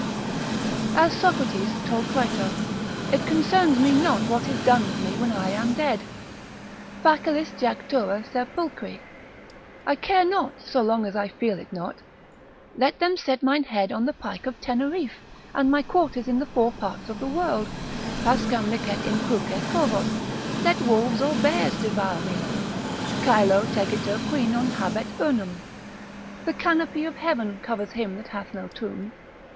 As Socrates told Crito, it concerns me not what is done with me when I am dead; Facilis jactura sepulchri: I care not so long as I feel it not; let them set mine head on the pike of Tenerife, and my quarters in the four parts of the world,—pascam licet in cruce corvos, let wolves or bears devour me;—Caelo tegitur qui non habet urnam, the canopy of heaven covers him that hath no tomb.